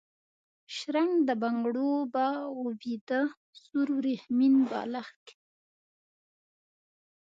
شرنګ د بنګړو، به و بیده سور وریښمین بالښت کي